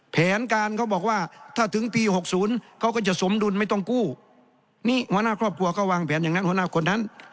แผนการเขาบอกว่าถ้าถึงปี๖๐เขาก็จะสมดุลไม่ต้องกู้นี่หัวหน้าครอบครัวก็วางแผนอย่างนั้นหัวหน้าคนนั้น